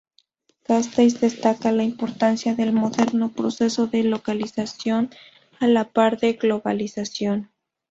Castells destaca la importancia del moderno proceso de localización a la par de globalización.